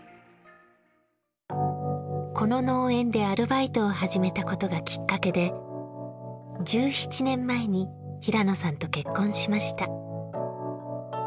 この農園でアルバイトを始めたことがきっかけで１７年前に平野さんと結婚しました。